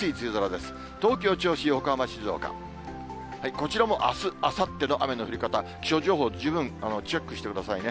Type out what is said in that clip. こちらもあす、あさっての雨の降り方、気象情報、十分チェックしてくださいね。